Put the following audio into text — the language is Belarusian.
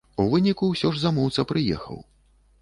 У выніку ўсё ж замоўца прыехаў.